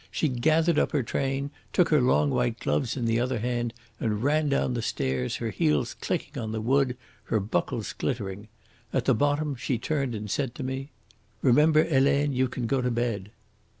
She gathered up her train, took her long white gloves in the other hand, and ran down the stairs, her heels clicking on the wood, her buckles glittering. At the bottom she turned and said to me: "'Remember, Helene, you can go to bed.'